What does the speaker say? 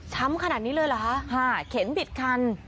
ทำขนาดนี้เลยเหรอคะค่ะเข็นผิดคัน